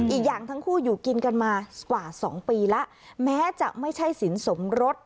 อีกอย่างทั้งคู่อยู่กินกันมากว่า๒ปีแล้วแม้จะไม่ใช่สินสมรส